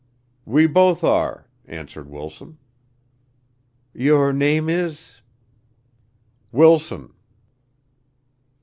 "We both are," answered Wilson. "Your name is " "Wilson."